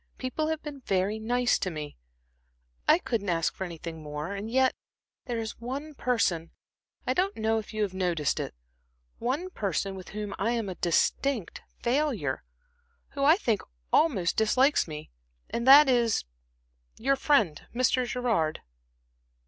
"People have been very nice to me. I I couldn't ask for anything more. And yet there is one person I don't know if you have noticed it one person with whom I am a distinct failure, who I think almost dislikes me, and that is your friend Mr. Gerard."